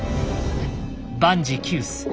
万事休す。